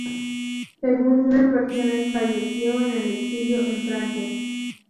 Según unas versiones, falleció en el exilio en Francia.